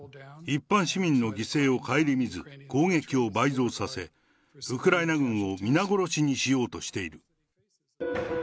一般市民の犠牲を顧みず、攻撃を倍増させ、ウクライナ軍を皆殺しにしようとしている。